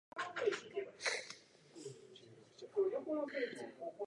そして、近くで見ると、色以外も違うことがわかった。異様だった。